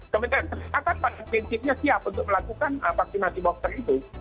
kementerian tersebut akan pada prinsipnya siap untuk melakukan vaksinasi vaksin itu